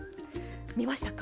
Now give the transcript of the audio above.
見ましたか？